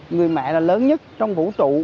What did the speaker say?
người mẹ là lớn nhất trong vũ trụ